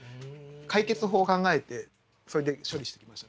解決法を考えてそれで処理してきましたね。